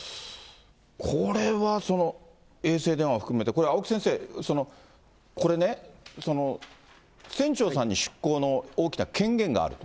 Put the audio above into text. これは衛星電話も含めて、青木先生、これね、船長さんに出航の大きな権限がある。